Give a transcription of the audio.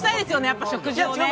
やっぱり食事をね。